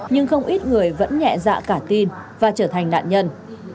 nhưng không ít người vẫn nhẹ dạ cả tin và trở thành nạn nhân